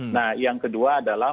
nah yang kedua adalah